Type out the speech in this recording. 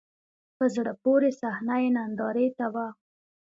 په زړه پورې صحنه یې نندارې ته و.